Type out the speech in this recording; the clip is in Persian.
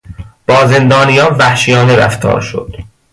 با زندانیان وحشیانه رفتار شد.